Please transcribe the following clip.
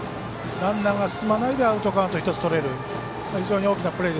ランナーが進まないでアウトカウント１つとれる。